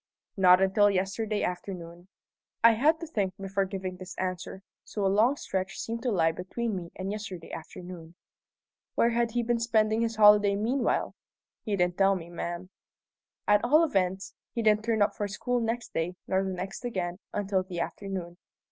"Not until yesterday afternoon." I had to think before giving this answer, so long a stretch of time seemed to lie between me and yesterday afternoon. "Where had he been spending his holiday meanwhile?" "He didn't tell me, ma'am." "At all events, he didn't turn up for school next day, nor the next again, until the afternoon.